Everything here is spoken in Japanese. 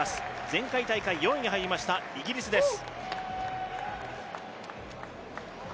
前回大会４位に入りましたイギリスです。